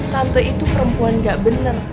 tante itu perempuan gak benar